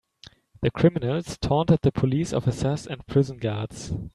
The criminals taunted the police officers and prison guards.